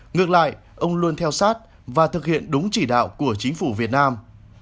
ngược lại ông luôn theo sát và thực hiện đúng chỉ đạo của chính phủ việt nam